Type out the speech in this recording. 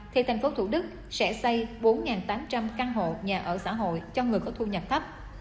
thì thành phố thủ đức sẽ xây bốn tám trăm linh căn hộ nhà ở xã hội cho người có thu nhập thấp